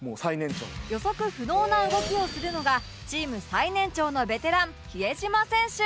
予測不能な動きをするのがチーム最年長のベテラン比江島選手